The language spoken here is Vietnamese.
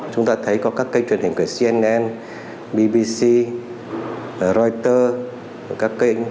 chúng ta thấy có các kênh truyền hình của cnn bbc reuters các kênh truyền hình khác